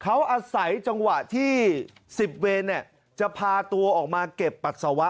เขาอาศัยจังหวะที่๑๐เวรจะพาตัวออกมาเก็บปัสสาวะ